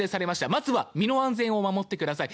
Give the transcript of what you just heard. まずは身の安全を守ってください。